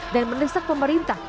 dan menesak pemerintah